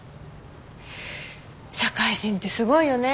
社会人ってすごいよね。